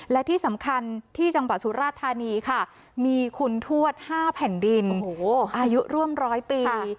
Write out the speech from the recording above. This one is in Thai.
และที่สำคัญที่จังหวัดสุราธานีค่ะมีคุณทวด๕แผ่นดินอายุร่วม๑๐๐ปี